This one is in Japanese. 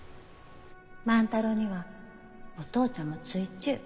万太郎にはお父ちゃんもついちゅう。